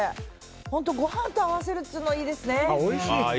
本当、ご飯と合わせるっていうのいいですね。